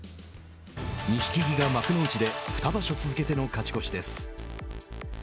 錦木が幕内で二場所続けての勝ち越しです。